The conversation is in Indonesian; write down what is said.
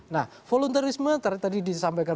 nah voluntirisme tadi disampaikan